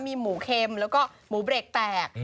มีหมูเค็มแล้วก็หมูเบรกแตก